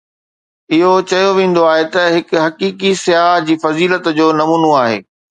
اهو چيو ويندو آهي ته هڪ حقيقي سياح جي فضيلت جو نمونو آهي